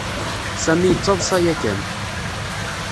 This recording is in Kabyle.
Sami yettaḍsa yakan.